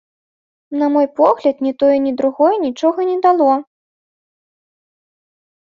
На мой погляд, ні тое, ні другое нічога не дало.